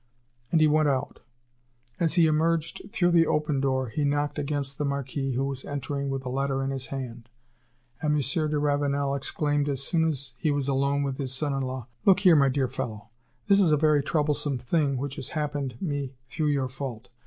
And he went out. As he emerged through the open door, he knocked against the Marquis, who was entering, with a letter in his hand. And M. de Ravenel exclaimed, as soon as he was alone with his son in law: "Look here, my dear fellow! this is a very troublesome thing, which has happened me through your fault.